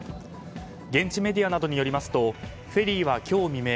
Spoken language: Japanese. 現地メディアなどによりますとフェリーは今日未明